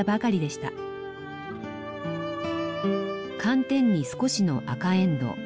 寒天に少しの赤えんどう。